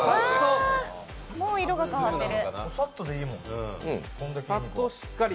もう色が変わってる。